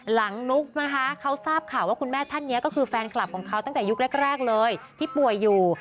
นุ๊กนะคะเขาทราบข่าวว่าคุณแม่ท่านนี้ก็คือแฟนคลับของเขาตั้งแต่ยุคแรกเลยที่ป่วยอยู่